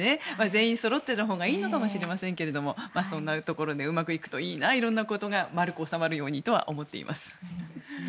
全員そろってのほうがいいのかもしれませんけどそんなところでうまくいくといいな色んなことが丸く収まるようにとは思っています。